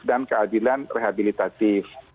dan keadilan rehabilitatif